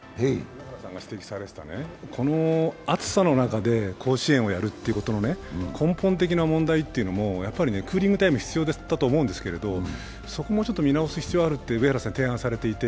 この暑さの中で甲子園をやるということの根本的な問題というのもクーリングタイム必要だと思うんですけど、そこをもうちょっと見直す必要があるって上原さん、提案していて。